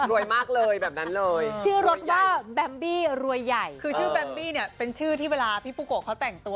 รวยมากเลยแบบนั้นเลยชื่อรถว่าแบมบี้รวยใหญ่คือชื่อแบมบี้เนี่ยเป็นชื่อที่เวลาพี่ปูโกะเขาแต่งตัว